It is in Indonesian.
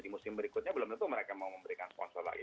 di musim berikutnya belum tentu mereka mau memberikan sponsor lagi